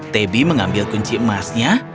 taby mengambil kunci emasnya